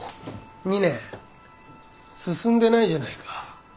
２年進んでないじゃないか。